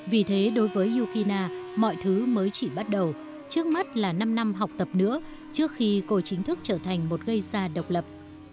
vì thế đối với yukina mọi thứ mới chỉ bắt đầu trước mắt là năm năm học tập nữa trước khi cô chính thức trở thành một gây xa độc lập